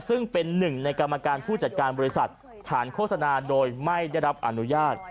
ซึ่งเป็นหนึ่งในกรรมการผู้จัดการบริษัทฐานโฆษณาโดยไม่ได้รับอนุญาต